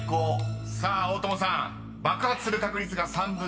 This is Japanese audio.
［さあ大友さん爆発する確率が３分の１です］